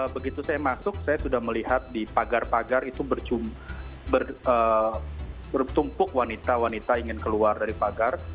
begitu saya masuk saya sudah melihat di pagar pagar itu bertumpuk wanita wanita ingin keluar dari pagar